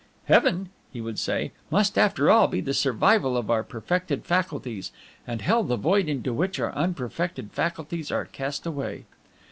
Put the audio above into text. "Heaven," he would say, "must, after all, be the survival of our perfected faculties, and hell the void into which our unperfected faculties are cast away."